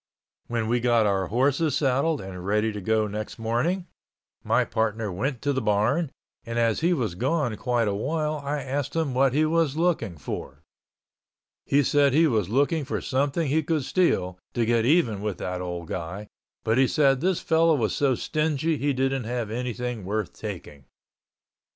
When we got our horses saddled and ready to go next morning, my partner went to the barn and as he was gone quite a while I asked him what he was looking for. He said he was looking for something he could steal, to get even with that old guy, but he said this fellow was so stingy he didn't have anything worth taking.